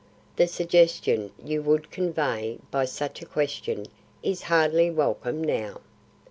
The suggestion you would convey by such a question is hardly welcome, now.